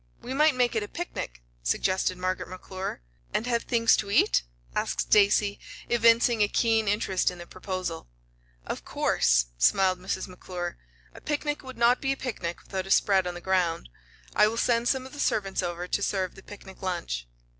"We might make it a picnic," suggested Margaret McClure. "And have things to eat?" asked Stacy, evincing a keen interest in the proposal. "Of course," smiled Mrs. McClure. "A picnic would not be a picnic without a spread on the ground. I will send some of the servants over to serve the picnic lunch."